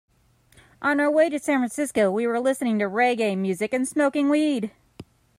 On our way to San Francisco, we were listening to reggae music and smoking weed.